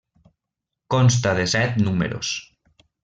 Consta de set números.